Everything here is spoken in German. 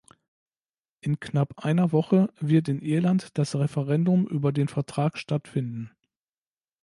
In knapp einer Woche wird in Irland das Referendum über den Vertrag stattfinden.